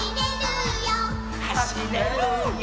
「はしれるよ」